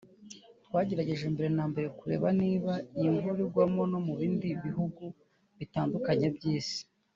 twagerageje mbere na mbere kureba niba iyi mvura igwa no mu bindi bihugu bitandukanye by’isi